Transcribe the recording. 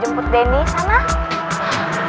jemput denny sana